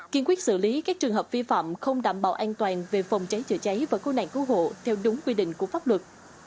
kiên quyết xử lý các trường hợp vi phạm không đảm bảo an toàn về phòng cháy chữa cháy và cứu nạn cứu hộ theo đúng quy định của pháp luật